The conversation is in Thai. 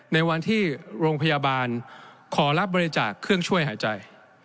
ในวันที่โรงพยาบาลขอรับบริจาคเครื่องช่วยหายใจ